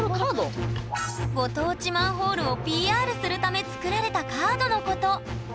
ご当地マンホールをＰＲするため作られたカードのこと。